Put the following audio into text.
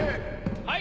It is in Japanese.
はい。